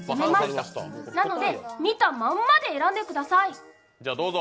なので、見たまんまで選んでください。